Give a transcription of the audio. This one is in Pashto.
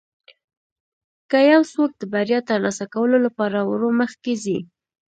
که یو څوک د بریا ترلاسه کولو لپاره ورو مخکې ځي.